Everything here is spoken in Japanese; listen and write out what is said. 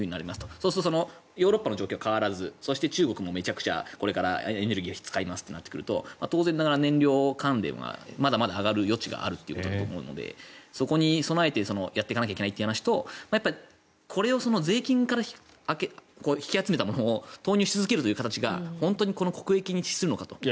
そうするとヨーロッパの状況は変わらずそして、中国もめちゃくちゃこれからエネルギーを使うとなると当然ながら燃料関連はまだまだ上がる余地があるということだと思うのでそこに備えてやっていかなきゃいけないという話とこれを税金から引き集めたものを投入し続けるという形が本当に国益に資するのかと。